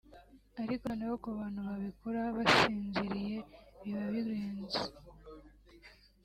Ariko noneho ku bantu babikora basinziriye biba birenze